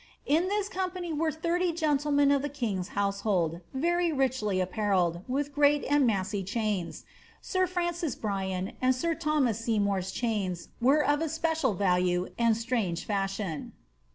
In this company were thirty gentlemen of the king's household, very richly apparelled, with great and massy chains ; sir Francis Bryan and sir Thomas Seymour's chains were of especial value and straunge fashion.